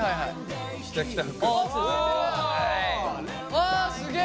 あすげえ！